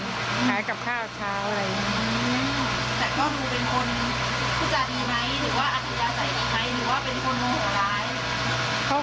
แต่ก็ดูเป็นคนคุยจาดีไหมหรือว่าอัธิดาใจกับใครหรือว่าเป็นคนโขหลาย